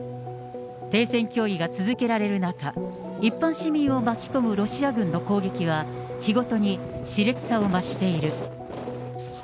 停戦協議が続けられる中、一般市民を巻き込むロシア軍の攻撃は、日ごとにし烈さを増している。